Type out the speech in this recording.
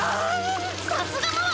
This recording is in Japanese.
さすがママ！